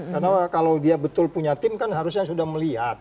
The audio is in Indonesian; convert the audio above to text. karena kalau dia betul punya tim kan harusnya sudah melihat